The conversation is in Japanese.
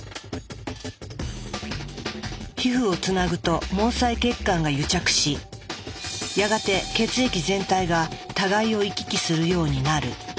皮膚をつなぐと毛細血管が癒着しやがて血液全体が互いを行き来するようになる。